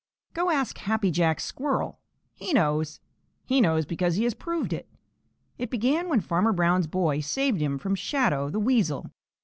_ Go ask Happy Jack Squirrel. He knows. He knows because he has proved it. It began when Farmer Brown's boy saved him from Shadow the Weasel.